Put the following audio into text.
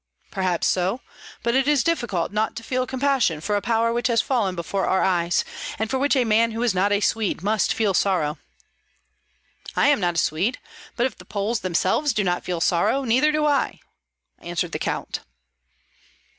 "Perhaps so; but it is difficult not to feel compassion for a power which has fallen before our eyes, and for which a man who is not a Swede must feel sorrow." "I am not a Swede; but if Poles themselves do not feel sorrow, neither do I," answered the count.